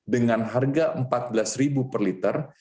dengan harga rp empat belas per liter